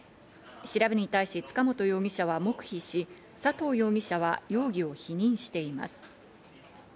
調べに対し塚本容疑者は黙秘し、佐藤容疑者は容疑を否認しています。